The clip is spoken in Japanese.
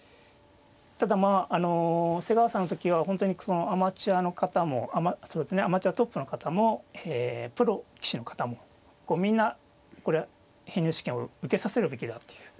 ただまああの瀬川さんの時は本当にアマチュアの方もアマチュアトップの方もプロ棋士の方もみんな編入試験を受けさせるべきだっていう。